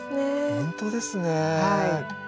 ほんとですね。